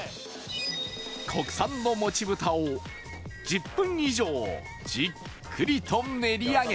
国産のもち豚を１０分以上じっくりと練り上げ